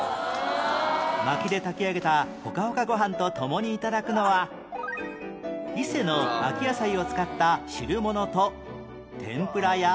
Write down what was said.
薪で炊き上げたほかほかご飯と共に頂くのは伊勢の秋野菜を使った汁物と天ぷらや